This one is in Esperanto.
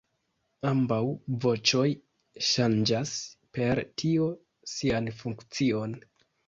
Ambaŭ voĉoj ŝanĝas per tio sian funkcion.